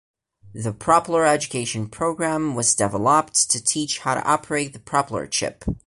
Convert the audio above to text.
The Propeller education program was developed to teach how to operate the Propeller chip.